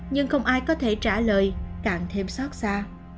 nhưng không ai có thể trả lời càng thêm xót xa